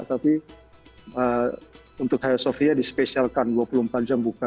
tapi untuk haya sofia dispesialkan dua puluh empat jam buka